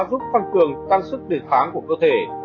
giúp tăng cường tăng sức đề kháng của cơ thể